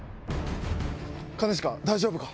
兼近大丈夫か？